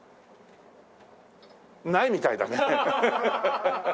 ないみたいだね。